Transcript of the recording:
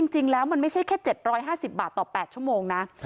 จริงแล้วมันไม่ใช่แค่๗๕๐บาทต่อ๘ชั่วโมงนะ